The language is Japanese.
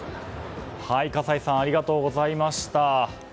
葛西さんありがとうございました。